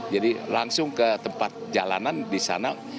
jadi langsung ke tempat jalanan di sana